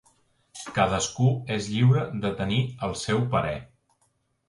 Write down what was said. Cadascú és lliure de tenir el seu parer.